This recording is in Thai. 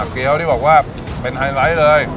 เกี้ยวนี่บอกว่าเป็นไฮไลท์เลย